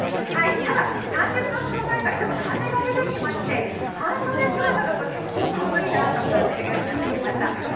ただ、３０分ほど前からちょっと風が出てきまして、半袖姿だと結構寒いなと感じるようになってきました。